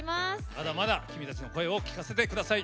まだまだ君たちの声を聴かせてください。